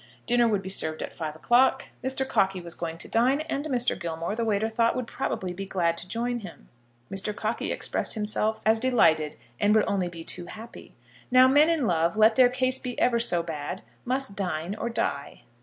Dinner would be served at five o'clock. Mr. Cockey was going to dine, and Mr. Gilmore, the waiter thought, would probably be glad to join him. Mr. Cockey expressed himself as delighted, and would only be too happy. Now men in love, let their case be ever so bad, must dine or die.